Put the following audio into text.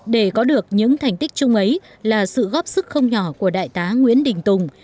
để có được những thành tích chung ấy là sự góp sức không nhỏ của đại tá nguyễn đình tùng